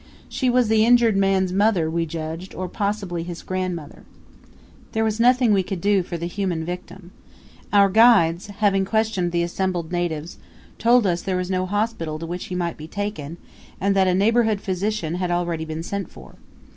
She was the injured man's mother, we judged or possibly his grandmother. There was nothing we could do for the human victim. Our guides, having questioned the assembled natives, told us there was no hospital to which he might be taken and that a neighborhood physician had already been sent for.